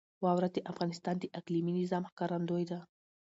واوره د افغانستان د اقلیمي نظام ښکارندوی ده.